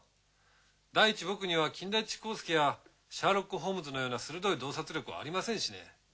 第一僕には金田一耕助やシャーロック・ホームズのような鋭い洞察力はありませんしね。